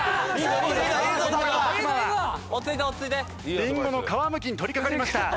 リンゴの皮むきに取りかかりました。